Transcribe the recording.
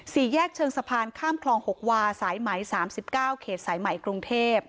สี่แยกเชิงสะพานข้ามคลองหกวาสายไหมสามสิบเก้าเขตสายไหมกรุงเทพฯ